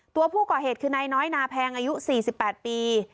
ตัวผู้ก่อเหตุคือนายน้อยนาแพงอายุ๔๘ปี